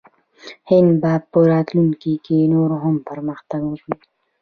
هند به په راتلونکي کې نور هم پرمختګ وکړي.